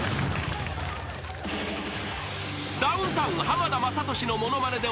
［ダウンタウン浜田雅功のものまねでおなじみ